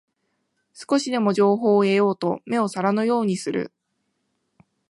少しでも情報を得ようと目を皿のようにする